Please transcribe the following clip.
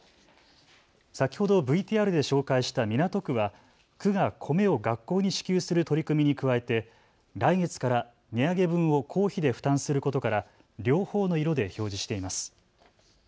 先ほどＶＴＲで紹介した港区は区が米を学校に支給する取り組みに加えて来月から値上げ分を公費で負担することから両方の色で表示しています。